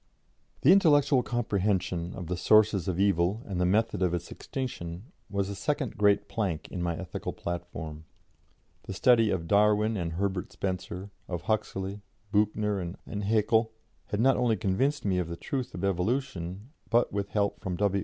" The intellectual comprehension of the sources of evil and the method of its extinction was the second great plank in my ethical platform. The study of Darwin and Herbert Spencer, of Huxley, Büchner and Haeckel, had not only convinced me of the truth of evolution, but, with help from W.